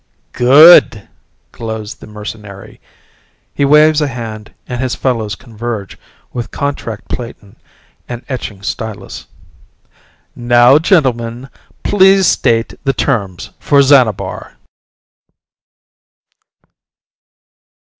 "Good!" glows the mercenary. He waves a hand and his fellows converge with contract platen and etching stylus. "Now, gentlemen, please state the terms for Xanabar."